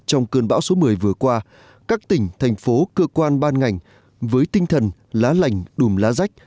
trong cơn bão số một mươi vừa qua các tỉnh thành phố cơ quan ban ngành với tinh thần lá lành đùm lá rách